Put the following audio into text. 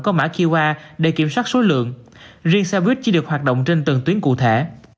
có mã qr để kiểm soát số lượng riêng xe buýt chỉ được hoạt động trên từng tuyến cụ thể